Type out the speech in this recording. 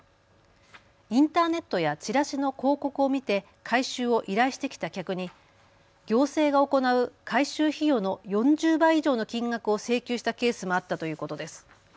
インターネットやチラシの広告を見て回収を依頼してきた客に行政が行う回収費用の４０倍以上の金額を請求したケースもあったということです。